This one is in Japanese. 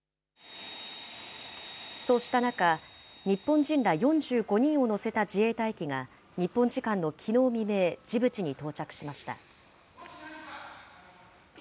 そうした中、日本人ら４５人を乗せた自衛隊機が、日本時間のきのう未明、ジブチに到着しました。